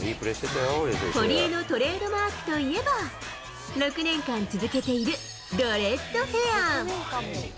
堀江のトレードマークといえば、６年間続けているドレッドヘア。